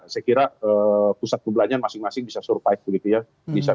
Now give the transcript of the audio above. saya kira pusat perbelanjaan masing masing bisa survive begitu ya